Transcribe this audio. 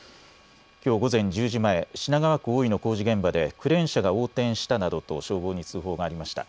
きょう午前１０時前、品川区大井の工事現場でクレーン車が横転したなどと消防に通報がありました。